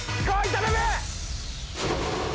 頼む！